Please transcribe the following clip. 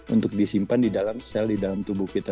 untuk disimpan di dalam sel di dalam tubuh kita